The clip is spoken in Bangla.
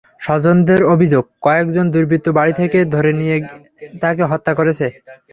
স্বজনদের অভিযোগ, কয়েকজন দুর্বৃত্ত বাড়ি থেকে ধরে নিয়ে গিয়ে তাঁকে হত্যা করেছে।